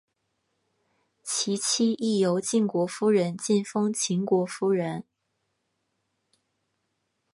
其妻亦由晋国夫人进封秦国夫人。